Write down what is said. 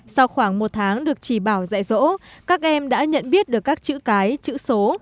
sau khoảng một tháng được chỉ bảo dạy rỗ các em đã nhận biết được các chữ cái chữ số